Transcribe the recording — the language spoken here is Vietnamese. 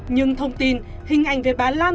nhưng thông tin hình ảnh về bà lan